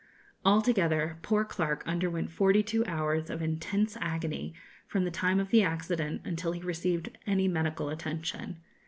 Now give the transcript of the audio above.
Altogether, poor Clarke underwent forty two hours of intense agony from the time of the accident until he received any medical attention.